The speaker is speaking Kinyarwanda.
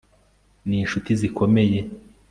Ni inshuti zikomeye